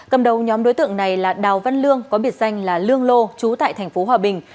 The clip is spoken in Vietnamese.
cầm đầu nhóm đối tượng này là đào văn lương có biệt danh là lương lô trú tại thành phố hòa bình